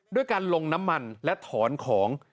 ด้วยการลงน้ำมันและถอนของ